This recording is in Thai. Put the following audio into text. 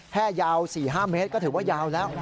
แค่ยาว๔๕เมตรก็ถือว่ายาวแล้ว